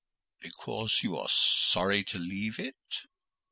"Because you are sorry to leave it?"